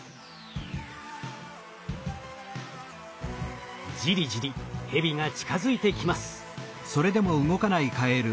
まさにじりじりヘビが近づいてきます。